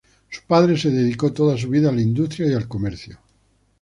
Su padre se dedicó toda su vida a la industria y al comercio.